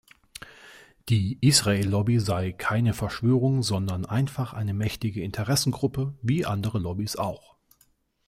Die Israel-Lobby sei keine Verschwörung, sondern einfach eine mächtige Interessengruppe wie andere Lobbys auch.